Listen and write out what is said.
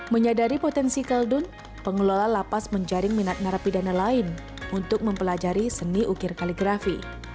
menyadari potensi kaldun pengelola lapas menjaring minat narapidana lain untuk mempelajari seni ukir kaligrafi